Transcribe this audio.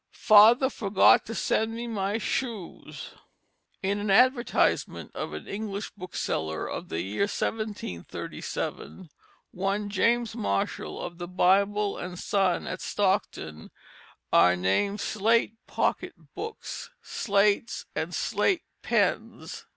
"Father forgot to send me my Schuse." In an advertisement of an English bookseller of the year 1737, one James Marshal of the Bible and Sun at Stockton are named Slate Pocket Books, Slates, and Slate Pens.